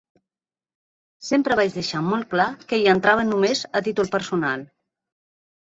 Sempre vaig deixar molt clar que hi entrava només a títol personal.